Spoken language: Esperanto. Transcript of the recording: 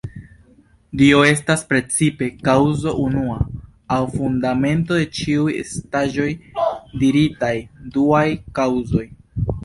Dio estas precipe "kaŭzo unua", aŭ fundamento de ĉiuj estaĵoj diritaj "duaj kaŭzoj”.